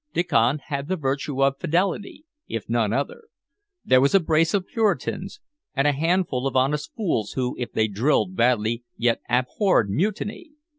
Diccon had the virtue of fidelity, if none other; there were a brace of Puritans, and a handful of honest fools, who, if they drilled badly, yet abhorred mutiny.